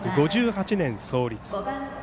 １９５８年創立。